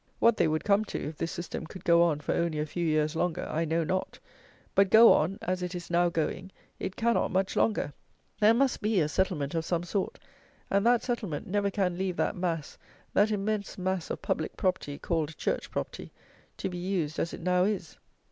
What they would come to, if this system could go on for only a few years longer, I know not: but go on, as it is now going, it cannot much longer; there must be a settlement of some sort: and that settlement never can leave that mass, that immense mass, of public property, called "church property," to be used as it now is.